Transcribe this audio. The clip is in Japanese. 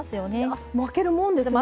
あっ巻けるもんですね！